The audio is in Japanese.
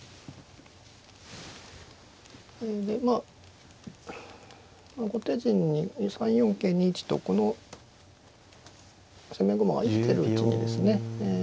ええでまあ後手陣に３四桂２一とこの攻め駒が生きてるうちにですね